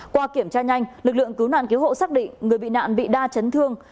qua kiểm tra nhanh lực lượng cứu nạn cứu hộ xác định người bị nạn bị đa chấn thương